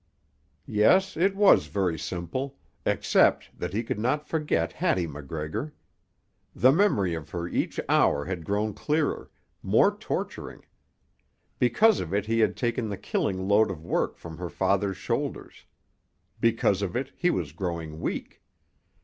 Yes, it was very simple—except that he could not forget Hattie MacGregor. The memory of her each hour had grown clearer, more torturing. Because of it he had taken the killing load of work from her father's shoulders; because of it he was growing weak.